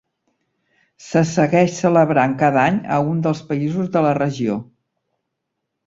Se segueix celebrant cada any a un dels països de la regió.